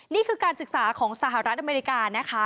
นี่คือการศึกษาของสหรัฐอเมริกานะคะ